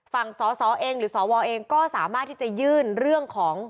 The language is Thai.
สสเองหรือสวเองก็สามารถที่จะยื่นเรื่องของ